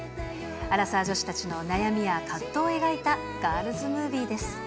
アラサー女子たちの悩みや葛藤を描いたガールズムービーです。